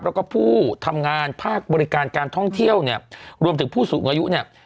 แล้วก็ผู้ทำงานภาคบริการการท่องเที่ยวเนี่ยรวมถึงผู้สูงอายุเนี่ย